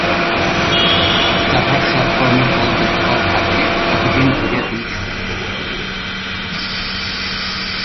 তাঁহার সৎকর্মের ফল যতকাল থাকে, ততদিন ধরিয়া তিনি সুখভোগ করেন।